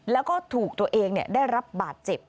แล้วก็ถูกตัวเองได้รับบาดเจ็บ